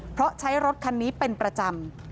เพราะใช้รถคันนี้เป็นประจำ